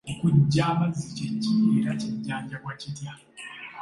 Okuggya amazzi kye ki era kujjanjabwa kutya?